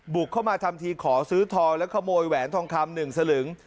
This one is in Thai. บุกเข้ามาทำทีขอซื้อทองและขโมยแหวนทองคำ๑สลึง